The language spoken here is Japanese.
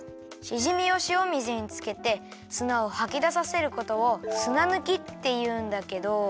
しじみをしお水につけてすなをはきださせることをすなぬきっていうんだけど。